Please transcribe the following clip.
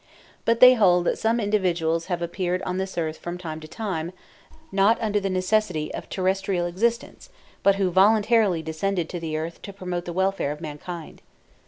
But they hold that some few individuals have appeared on this earth from time to time, not under the necessity of terrestrial existence, but who voluntarily descended to the earth to promote the welfare of mankind.